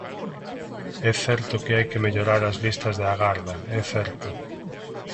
É certo que hai que mellorar as listas de agarda, é certo.